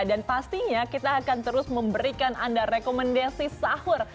dan pastinya kita akan terus memberikan anda rekomendasi sahur